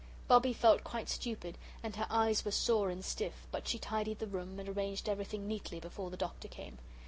Bobbie felt quite stupid and her eyes were sore and stiff, but she tidied the room, and arranged everything neatly before the Doctor came.